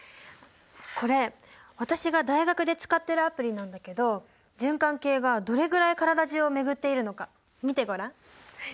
これ私が大学で使ってるアプリなんだけど循環系がどれぐらい体中を巡っているのか見てごらん。